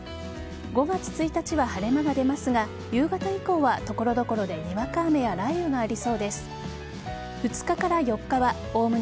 ５月１日は晴れ間が出ますが夕方以降は所々でにわか雨やきたきた！